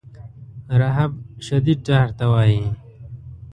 رهب شدید ډار ته وایي.